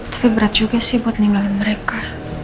tapi berat juga sih buat ninggalin mereka